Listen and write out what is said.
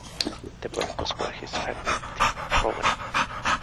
The Broncos were his favorite team growing up.